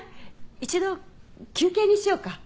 一度休憩にしようか。